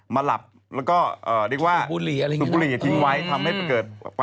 มาหลับแล้วก็เรียกว่าสูบบุหรี่ทิ้งไว้